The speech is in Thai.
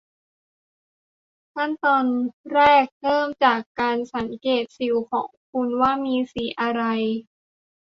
ขั้นตอนแรกเริ่มจากการสังเกตสิวของคุณว่ามีสีอะไร